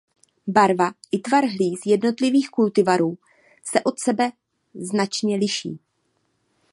Barva i tvar hlíz jednotlivých kultivarů se od sebe značně liší.